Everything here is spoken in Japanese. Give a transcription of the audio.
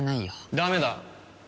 ダメだ。